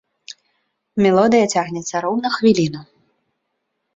Мелодыя цягнецца роўна хвіліну.